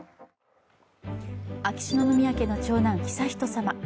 秋篠宮家の長男、悠仁さま。